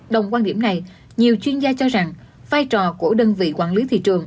đồng quan điểm này nhiều chuyên gia cho rằng vai trò của đơn vị quản lý thị trường